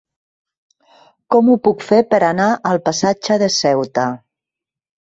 Com ho puc fer per anar al passatge de Ceuta?